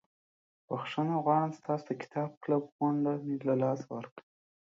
بخښنه غواړم ستاسو د کتاب کلب غونډه مې له لاسه ورکړه.